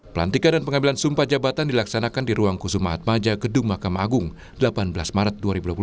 pelantikan dan pengambilan sumpah jabatan dilaksanakan di ruang kusuma atmaja gedung mahkamah agung delapan belas maret dua ribu dua puluh